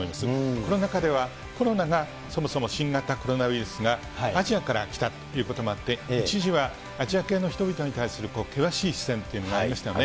コロナ禍では、コロナがそもそも新型コロナウイルスがアジアから来たっていうこともあって、一時はアジア系の人々に対する険しい視線というのがありましたよね。